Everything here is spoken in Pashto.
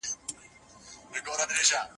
غير مسلمانان له ډيرو امتيازاتو برخمن کيدای سي.